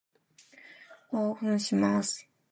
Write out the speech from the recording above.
興奮します。